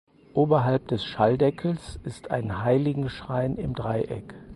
Oberhalb des Schalldeckels ist ein Heiligenschein im Dreieck.